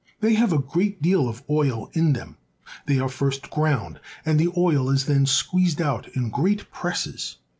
They have a great deal of oil in them. They are first ground, and the oil is then squeezed out in great presses.